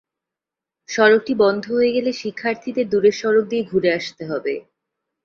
সড়কটি বন্ধ হয়ে গেলে শিক্ষার্থীদের দূরের সড়ক দিয়ে ঘুরে আসতে হবে।